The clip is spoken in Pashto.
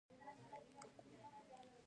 هغې د ښایسته محبت په اړه خوږه موسکا هم وکړه.